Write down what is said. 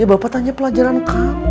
bapak tanya pelajaran kamu